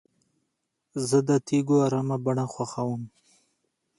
زه د تیږو ارامه بڼه خوښوم.